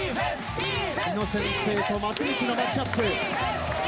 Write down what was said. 井野先生と松道のマッチアップ。